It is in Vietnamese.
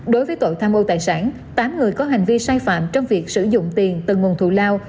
đối với tội tham ô tài sản tám người có hành vi sai phạm trong việc sử dụng tiền từ nguồn thủ lao